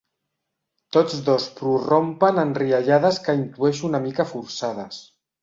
Tots dos prorrompen en riallades que intueixo una mica forçades.